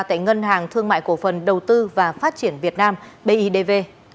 tại ngân hàng thương mại cổ phần đầu tư và phát triển việt nam bidv